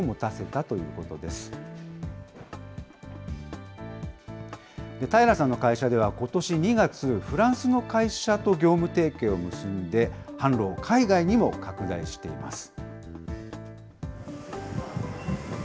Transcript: たいらさんの会社では、ことし２月、フランスの会社と業務提携を結んで、販路を海外にも拡大しています。